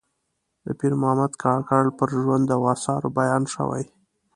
د پیر محمد کاکړ پر ژوند او آثارو بیان شوی.